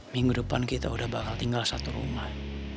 minggu depan kita udah bakal tinggal satu rumah